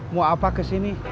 mau apa kesini